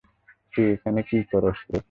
তুই এখানে কী করস বে?